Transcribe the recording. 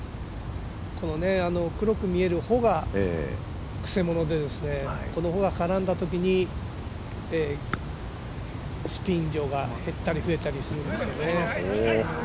黒く見えるものがくせ者で、このほが絡んだときにスピン量が減ったり増えたりするんですけどね。